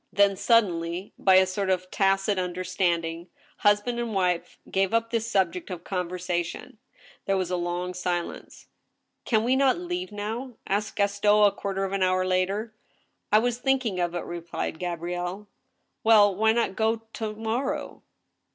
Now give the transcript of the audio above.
Then suddenly, by a sort of tacit understanding, husband and wife gave up this subject of conversation. There was a long silence. " Can not we leave now ?" asked Gaston, a quarter of an hour later. " I was* thinking of it," replied Gabrielle. " Well, why not go to morrow?